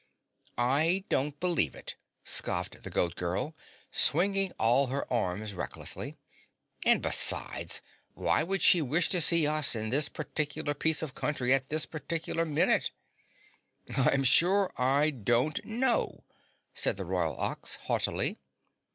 "I don't believe it," scoffed the Goat Girl, swinging all her arms recklessly, "and besides, why would she wish to see us and this particular piece of country at this particular minute?" "I'm sure I don't know," said the Royal Ox haughtily.